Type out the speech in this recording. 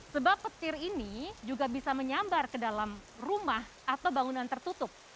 sebab petir ini juga bisa menyambar ke dalam rumah atau bangunan tertutup